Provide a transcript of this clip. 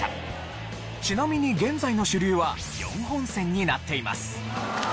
ちなみに現在の主流は４本線になっています。